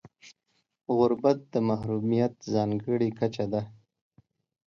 غربت د محرومیت ځانګړې کچه ده.